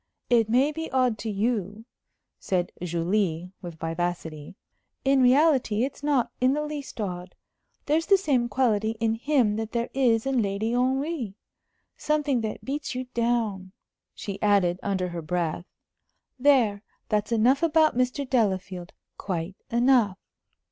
"It may be odd to you," said Julie, with vivacity. "In reality, it's not in the least odd. There's the same quality in him that there is in Lady Henry something that beats you down," she added, under her breath. "There, that's enough about Mr. Delafield quite enough."